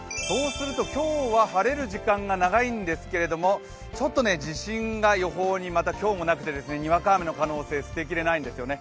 今日は晴れる時間が長いんですけれども、ちょっと自信が予報に今日もなくてにわか雨の可能性、捨てきれないんですよね。